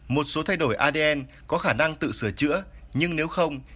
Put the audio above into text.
một số thay đổi adn có khả năng tự sửa chữa nhưng nếu không